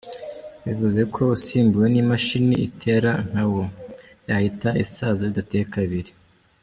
Bivuze ko usimbuwe n’imashini itera nkawo yahita isaza bidateye kabiri.